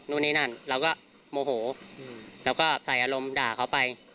นู่นนี่นั่นเราก็โมโหแล้วก็ใส่อารมณ์ด่าเขาไป